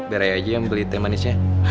berai aja yang beli teh manisnya